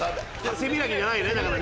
背開きじゃないね！